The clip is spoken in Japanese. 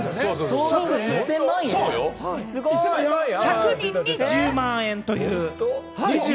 そう１００人に１０万円という。